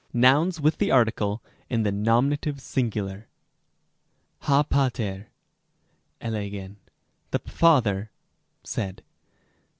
§6. Nouns, with the article, in the nominative singular. ὁ πατὴρ ἔλεγεν, the father said.